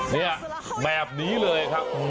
เนี่ยแบบนี้เลยครับ